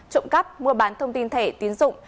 trộm cắp mua bán thông tin thẻ tiến dụng